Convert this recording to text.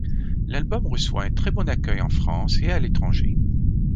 L'album reçoit un très bon accueil en France et à l'étranger.